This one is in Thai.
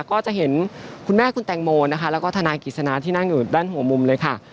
ก็จะเห็นคุณแม่คุณแตงโมนะคะแล้วก็ทนายกิจสนาที่นั่งอยู่ด้านหัวมุมเลยค่ะ